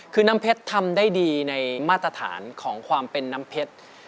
คือน้ำเพชรทำได้ดีในมาตรฐานของความเป็นน้ำเพชร